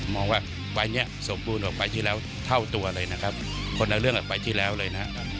มองว่าไฟล์นี้สมบูรณ์ออกไปที่แล้วเท่าตัวเลยนะครับคนละเรื่องกับไฟล์ที่แล้วเลยนะครับ